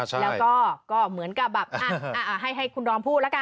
แล้วก็เหมือนกับแบบให้คุณดอมพูดแล้วกัน